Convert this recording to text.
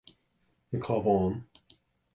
An Cabhán